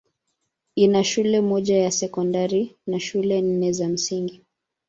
Ina shule moja ya sekondari na shule nne za msingi.